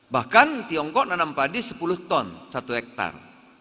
bahkan tiongkok nanam padi sepuluh ton satu hektare